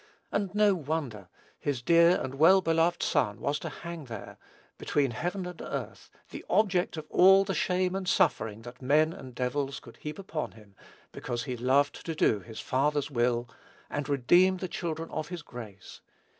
And no wonder! His dear and well beloved Son was to hang there, between heaven and earth, the object of all the shame and suffering that men and devils could heap upon him, because he loved to do his Father's will, and redeem the children of his grace.